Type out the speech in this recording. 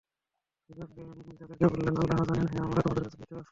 রাসূলগণ তাদেরকে বলেনঃ আল্লাহ্ জানেন যে, আমরা তোমাদের কাছে প্রেরিত রাসূল।